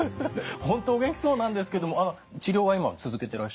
本当お元気そうなんですけども治療は今続けてらっしゃる？